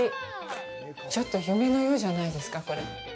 ちょっと夢のようじゃないですか、これ。